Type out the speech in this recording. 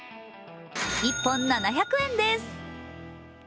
１本７００円です。